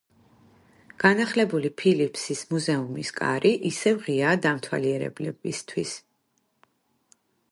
განახლებული ფილიპსის მუზეუმის კარი ისევ ღიაა დამთვალიერებლებისთვის.